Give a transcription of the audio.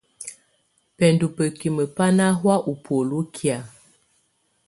Bɛndɔ̀ bǝ́kimǝ́ bá nà hɔ̀á ù bùóli kɛ̀á.